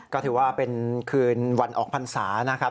ก็ถือว่าเป็นคืนวันออกภัณฑ์ศาสตร์นะครับ